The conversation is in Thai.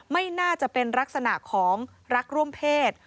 ไม่น่าจะเป็นลักษณะของรักร่วมเพศ